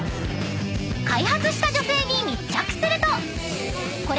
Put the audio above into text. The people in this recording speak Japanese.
［開発した女性に密着すると］